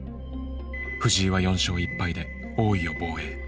藤井は４勝１敗で王位を防衛。